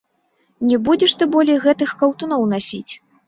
Не будзеш ты болей гэтых каўтуноў насіць!